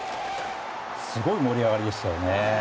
すごい盛り上がりでしたよね。